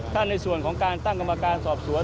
ถ้าในส่วนของการตั้งกรรมการสอบสวน